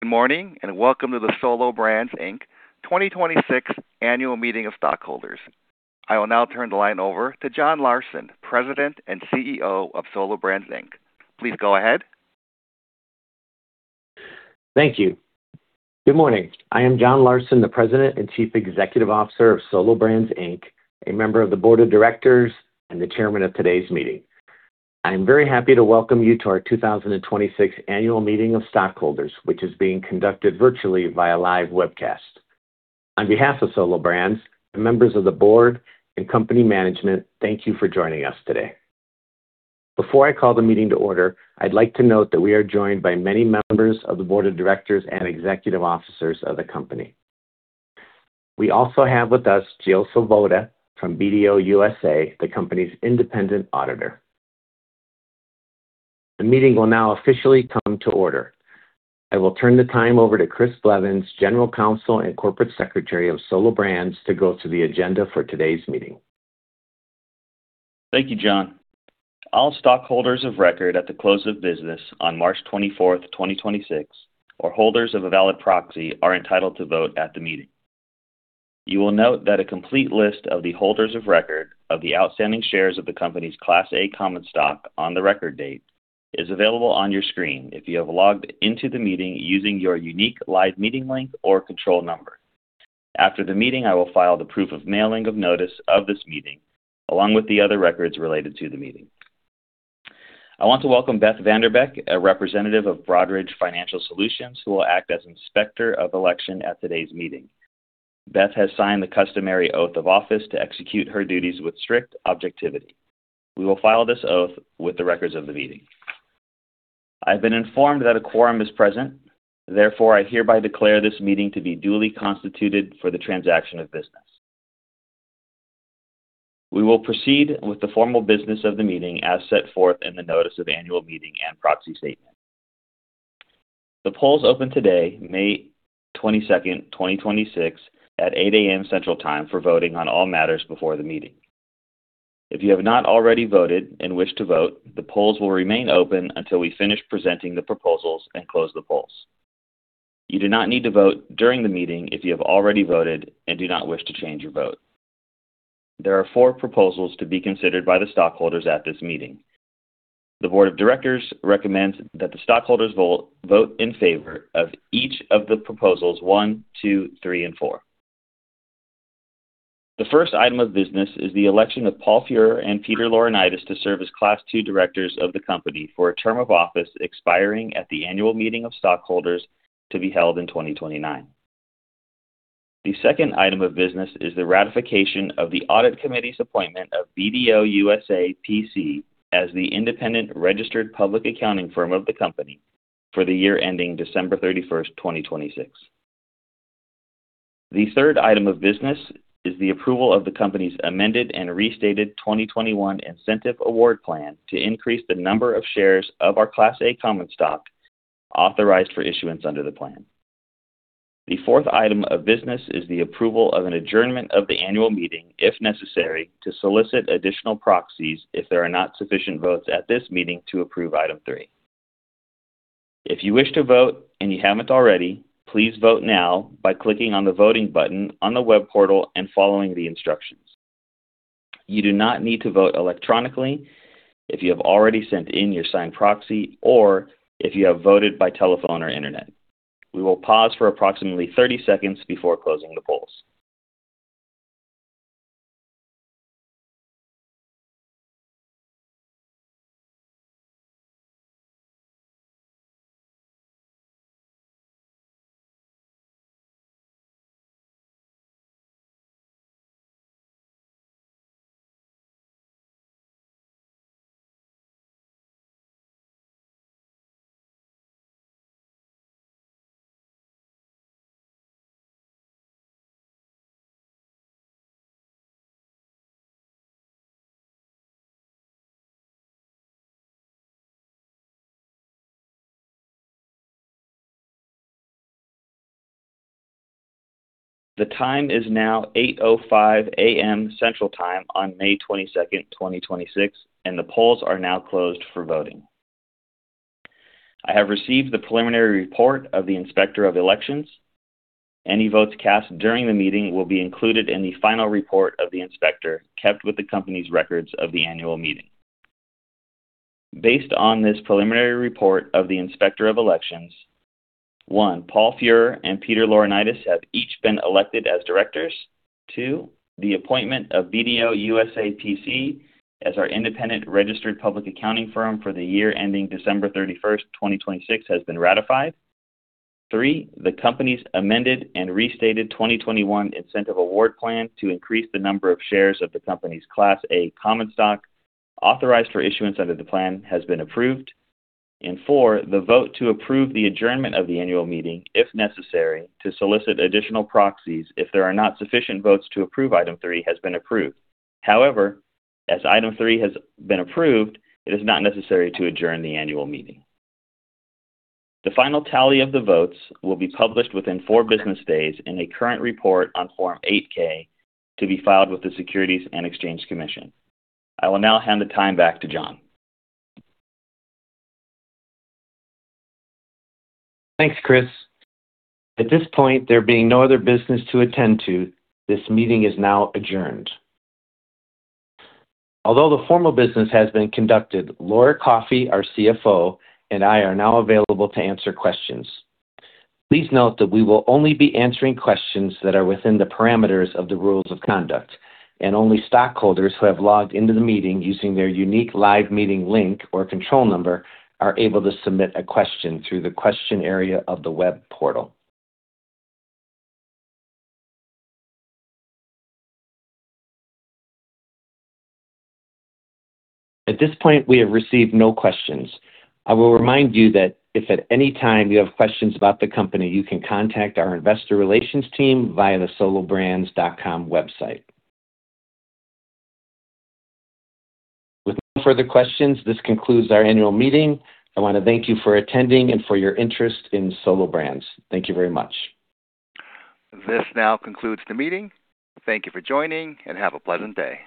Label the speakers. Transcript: Speaker 1: Good morning, welcome to the Solo Brands, Inc. 2026 Annual Meeting of Stockholders. I will now turn the line over to John Larson, President and CEO of Solo Brands, Inc. Please go ahead.
Speaker 2: Thank you. Good morning. I am John Larson, the President and Chief Executive Officer of Solo Brands Inc., a member of the Board of Directors, and the chairman of today's meeting. I'm very happy to welcome you to our 2026 Annual Meeting of Stockholders, which is being conducted virtually via live webcast. On behalf of Solo Brands, the members of the board, and company management, thank you for joining us today. Before I call the meeting to order, I'd like to note that we are joined by many members of the board of directors and executive officers of the company. We also have with us Jill Svoboda from BDO USA, the company's independent auditor. The meeting will now officially come to order. I will turn the time over to Chris Blevins, General Counsel and Corporate Secretary of Solo Brands, to go to the agenda for today's meeting.
Speaker 3: Thank you, John. All stockholders of record at the close of business on March 24, 2026, or holders of a valid proxy, are entitled to vote at the meeting. You will note that a complete list of the holders of record of the outstanding shares of the company's Class A common stock on the record date is available on your screen if you have logged into the meeting using your unique live meeting link or control number. After the meeting, I will file the proof of mailing of notice of this meeting, along with the other records related to the meeting. I want to welcome Beth Vander Beck, a representative of Broadridge Financial Solutions, who will act as Inspector of Election at today's meeting. Beth has signed the customary oath of office to execute her duties with strict objectivity. We will file this oath with the records of the meeting. I've been informed that a quorum is present, therefore, I hereby declare this meeting to be duly constituted for the transaction of business. We will proceed with the formal business of the meeting as set forth in the notice of annual meeting and proxy statement. The polls opened today, May 22nd, 2026, at 8:00 A.M. Central Time for voting on all matters before the meeting. If you have not already voted and wish to vote, the polls will remain open until we finish presenting the proposals and close the polls. You do not need to vote during the meeting if you have already voted and do not wish to change your vote. There are four proposals to be considered by the stockholders at this meeting. The board of directors recommends that the stockholders vote in favor of each of the proposals one, two, three, and four. The first item of business is the election of Paul G. Furer and Peter Laurinaitis to serve as Class II directors of the company for a term of office expiring at the annual meeting of stockholders to be held in 2029. The second item of business is the ratification of the audit committee's appointment of BDO USA, P.C. as the independent registered public accounting firm of the company for the year ending December 31st, 2026. The third item of business is the approval of the company's amended and restated 2021 Incentive Award Plan to increase the number of shares of our Class A common stock authorized for issuance under the plan. The fourth item of business is the approval of an adjournment of the annual meeting, if necessary, to solicit additional proxies if there are not sufficient votes at this meeting to approve item three. If you wish to vote and you haven't already, please vote now by clicking on the voting button on the web portal and following the instructions. You do not need to vote electronically if you have already sent in your signed proxy or if you have voted by telephone or internet. We will pause for approximately 30 seconds before closing the polls. The time is now 8:05 A.M. Central Time on May 22nd, 2026. The polls are now closed for voting. I have received the preliminary report of the Inspector of Elections. Any votes cast during the meeting will be included in the final report of the inspector, kept with the company's records of the annual meeting. Based on this preliminary report of the Inspector of Elections, one, Paul G. Furer and Peter Laurinaitis have each been elected as directors. two, the appointment of BDO USA, P.C. as our independent registered public accounting firm for the year ending December 31st, 2026, has been ratified. three, the company's amended and restated 2021 Incentive Award Plan to increase the number of shares of the company's Class A common stock authorized for issuance under the plan has been approved. four, the vote to approve the adjournment of the annual meeting, if necessary, to solicit additional proxies if there are not sufficient votes to approve item three has been approved. However, as item three has been approved, it is not necessary to adjourn the annual meeting. The final tally of the votes will be published within four business days in a current report on Form 8-K to be filed with the Securities and Exchange Commission. I will now hand the time back to John.
Speaker 2: Thanks, Chris. At this point, there being no other business to attend to, this meeting is now adjourned. Although the formal business has been conducted, Laura Coffey, our CFO, and I are now available to answer questions. Please note that we will only be answering questions that are within the parameters of the rules of conduct, and only stockholders who have logged into the meeting using their unique live meeting link or control number are able to submit a question through the question area of the web portal. At this point, we have received no questions. I will remind you that if at any time you have questions about the company, you can contact our investor relations team via the solobrands.com website. With no further questions, this concludes our annual meeting. I want to thank you for attending and for your interest in Solo Brands. Thank you very much.
Speaker 1: This now concludes the meeting. Thank you for joining, and have a pleasant day.